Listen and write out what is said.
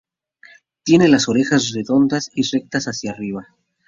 Tiene las orejas redondeadas y rectas hacia arriba.